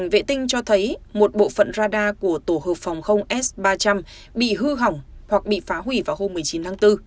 vệ tinh cho thấy một bộ phận radar của tổ hợp phòng không s ba trăm linh bị hư hỏng hoặc bị phá hủy vào hôm một mươi chín tháng bốn